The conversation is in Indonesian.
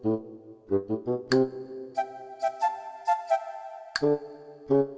kalo gak ngebebanin sama anak anak sekolah